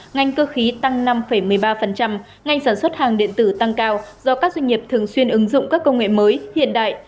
ngành cơ khí tăng năm một mươi ba ngành sản xuất hàng điện tử tăng cao do các doanh nghiệp thường xuyên ứng dụng các công nghệ mới hiện đại